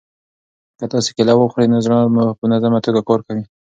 که تاسي کیله وخورئ نو زړه مو په منظمه توګه کار کوي.